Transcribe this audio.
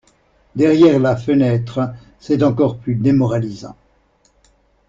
Derrière la fenêtre, c’est encore plus démoralisant.